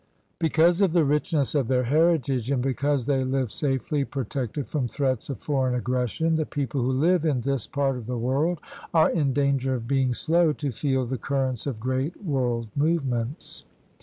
Because of the richness of their heritage and because they live safely pro tected from threats of foreign aggression, the people who live in this part of the world are in danger of being slow to feel the currents of great world movements.